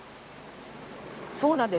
そうなんです。